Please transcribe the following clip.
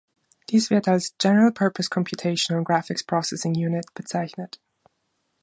Dies wird als General Purpose Computation on Graphics Processing Unit bezeichnet.